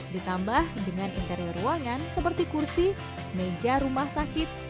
ditambah dengan interior ruangan seperti kursi meja rumah sakit